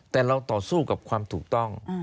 แต่เราต่อสู้กับความถูกต้อง